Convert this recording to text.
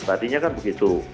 tadinya kan begitu